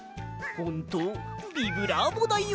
「ほんとビブラーボだよ」。